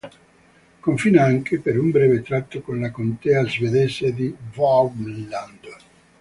Confina anche, per un breve tratto, con la contea svedese di Värmland.